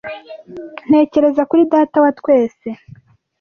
ntekereza kuri data wa twese